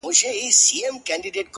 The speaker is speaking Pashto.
يوازيتوب زه” او ډېوه مړه انتظار”